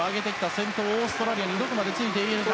先頭のオーストラリアにどこまでついていけるか。